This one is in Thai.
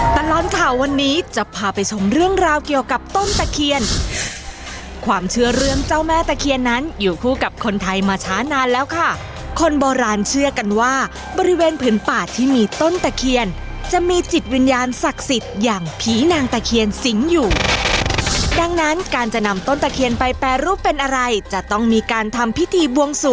ตลอดข่าววันนี้จะพาไปชมเรื่องราวเกี่ยวกับต้นตะเคียนความเชื่อเรื่องเจ้าแม่ตะเคียนนั้นอยู่คู่กับคนไทยมาช้านานแล้วค่ะคนโบราณเชื่อกันว่าบริเวณผืนป่าที่มีต้นตะเคียนจะมีจิตวิญญาณศักดิ์สิทธิ์อย่างผีนางตะเคียนสิงห์อยู่ดังนั้นการจะนำต้นตะเคียนไปแปรรูปเป็นอะไรจะต้องมีการทำพิธีบวงส